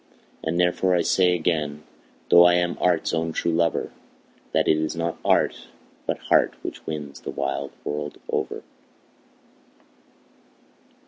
And therefore I say again, though I am art's own true lover, That it is not art, but heart, which wins the wide world over.